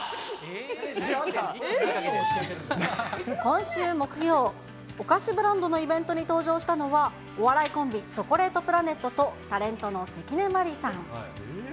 今週木曜、お菓子ブランドのイベントに登場したのは、お笑いコンビ、チョコレートプラネットとタレントの関根麻里さん。